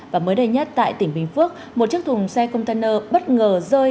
và mới đây nhất tại tỉnh bình phước một chiếc thùng xe container bất ngờ rơi